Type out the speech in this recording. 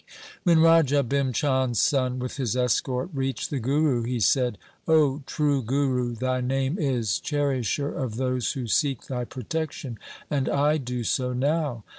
When Raja Bhim Chand's son with his escort reached the Guru, he said, ' O true Guru, thy name is cherisher of those who seek thy protection, and I do so now.